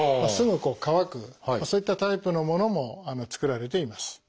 すぐ乾くそういったタイプのものも作られています。